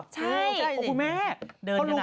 จำได้ค่ะ